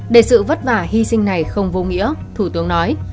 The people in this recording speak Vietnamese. để sự vất vả hy sinh này không vô nghĩa thủ tướng nói